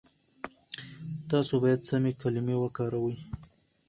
تاسو بايد سمې کلمې وکاروئ.